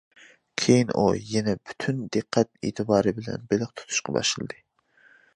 كېيىن ئۇ يەنە پۈتۈن دىققەت-ئېتىبارى بىلەن بېلىق تۇتۇشقا باشلىدى.